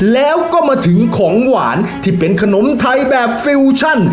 แล้วก็มาถึงของหวานที่เป็นขนมไทยแบบฟิวชั่น